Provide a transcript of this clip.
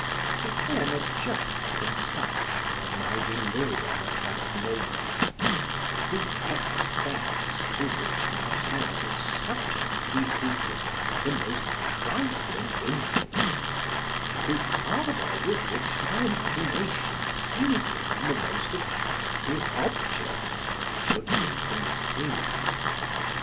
To form a just conception of my delirium at that moment, the excess to which my heart is subject to be heated by the most trifling incidents, and the ardor with which my imagination seizes on the most attractive objects should be conceived.